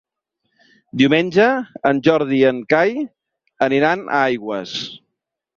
Diumenge en Jordi i en Cai aniran a Aigües.